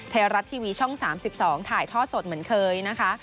ไทยรัฐทีวีช่อง๓๒ถ่ายทอดสดเหมือนเคยนะคะ